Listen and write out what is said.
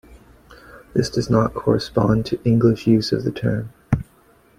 This does not correspond to English use of the term.